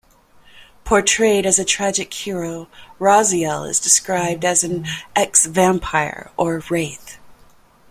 Portrayed as a tragic hero, Raziel is described as an "ex-vampire" or "wraith".